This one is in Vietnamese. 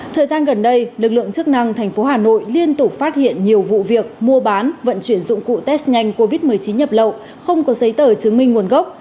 thời gian gần đây lực lượng chức năng thành phố hà nội liên tục phát hiện nhiều vụ việc mua bán vận chuyển dụng cụ test nhanh covid một mươi chín nhập lậu không có giấy tờ chứng minh nguồn gốc